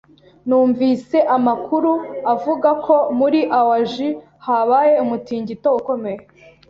Numvise amakuru avuga ko muri Awaji habaye umutingito ukomeye.